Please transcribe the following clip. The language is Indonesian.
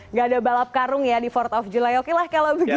nggak ada balap karung ya di empat th of july okelah kalau begitu